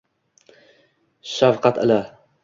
Shafkat ila